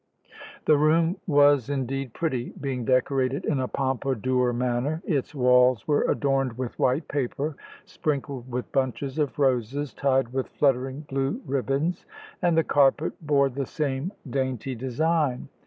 The room was indeed pretty, being decorated in a Pompadour manner. Its walls were adorned with white paper, sprinkled with bunches of roses tied with fluttering blue ribbons, and the carpet bore the same dainty design.